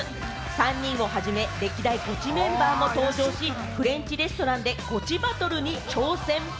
３人をはじめ、歴代ゴチメンバーも登場し、フレンチレストランでゴチバトルに挑戦。